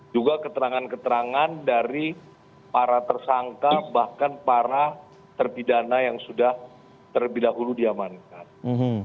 juga keterangan keterangan dari para tersangka bahkan para terpidana yang sudah terlebih dahulu diamankan